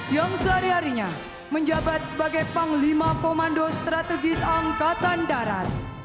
yang sehari harinya menjabat sebagai panglima komando strategis angkatan darat